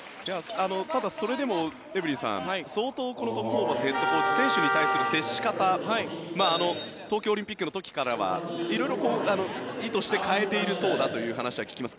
ただ、それでもエブリンさん相当トム・ホーバスヘッドコーチ選手に対する接し方東京オリンピックの時からは色々意図して変えているそうだという話は聞きます。